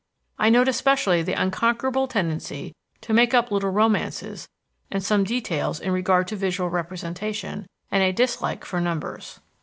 I note especially the unconquerable tendency to make up little romances and some details in regard to visual representation, and a dislike for numbers.